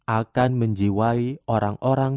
akan menjiwai orang orang